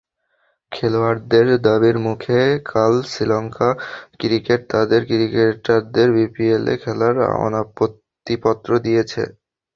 খেলোয়াড়দের দাবির মুখে কাল শ্রীলঙ্কা ক্রিকেট তাদের ক্রিকেটারদের বিপিএলে খেলার অনাপত্তিপত্র দিয়েছে।